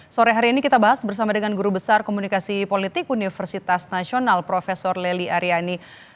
sore hari ini kita bahas bersama dengan guru besar komunikasi politik universitas nasional prof leli aryani